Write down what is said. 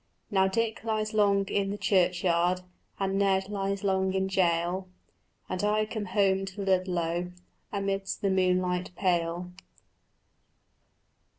Now Dick lies long in the churchyard, And Ned lies long in jail, And I come home to Ludlow Amidst the moonlight pale.